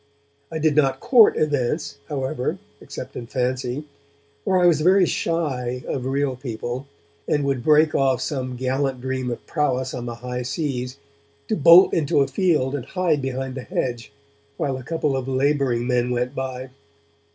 I did not court events, however, except in fancy, for I was very shy of real people, and would break off some gallant dream of prowess on the high seas to bolt into a field and hide behind the hedge, while a couple of labouring men went by.